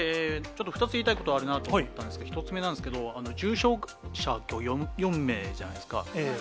ちょっと２つ言いたいことがあるなと思ったんですけど、１つ目なんですけれども、重症者４名じゃないですか。